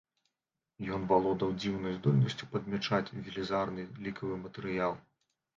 Ён валодаў дзіўнай здольнасцю падмячаць велізарны лікавы матэрыял.